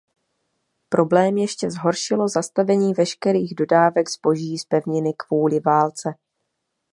Problém ještě zhoršilo zastavení veškerých dodávek zboží z pevniny kvůli válce.